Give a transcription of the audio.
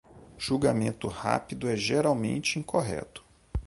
Julgamento rápido é geralmente incorreto.